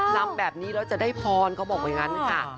ลำแบบนี้แล้วจะได้พรเขาบอกอย่างนั้นค่ะ